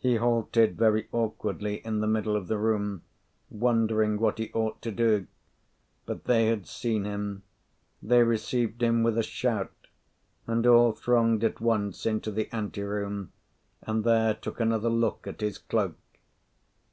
He halted very awkwardly in the middle of the room, wondering what he ought to do. But they had seen him. They received him with a shout, and all thronged at once into the ante room, and there took another look at his cloak.